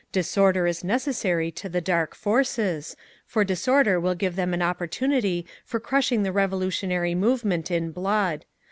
_ Disorder is necessary to the Dark Forces, for disorder will give them an opportunity for crushing the revolutionary movement in blood.